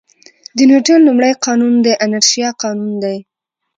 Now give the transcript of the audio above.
د نیوټن لومړی قانون د انرشیا قانون دی.